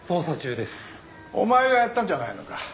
お前がやったんじゃないのか？